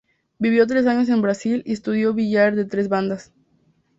Vivió tres años en Brasil y estudió billar de tres bandas.